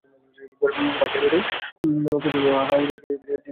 পাশের বেডেই রক্তের জন্য হাহুতাশ করতে দেখা গেছে দগ্ধ রিয়াজ হোসেনের স্বজনদের।